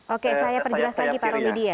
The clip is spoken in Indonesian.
oke saya perjelas lagi pak romedy ya